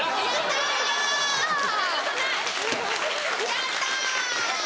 やった！